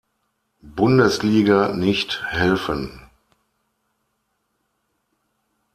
Bundesliga nicht helfen.